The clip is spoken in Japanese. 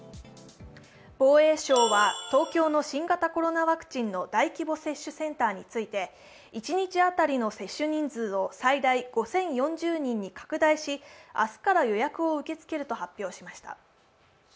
防衛省は東京の新型コロナワクチンの大規模接種センターについて、一日当たりの接種人数を最大５０４０人に拡大し、明日から予約を受け付けると発表しました。